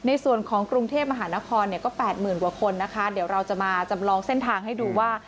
ในส่วนของกรุงเทพมหานครเนี่ยก็๘๐๐๐กว่าคนนะคะเดี๋ยวเราจะมาจำลองเส้นทางให้ดูว่า